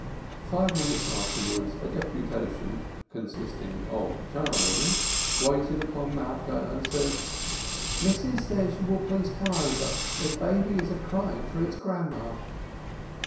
Five minutes afterwards a deputation, consisting of a char woman, waited upon Malka and said: "Missus says will you please come over, as baby is a cryin' for its grandma."